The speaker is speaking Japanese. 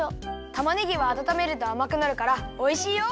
たまねぎはあたためるとあまくなるからおいしいよ！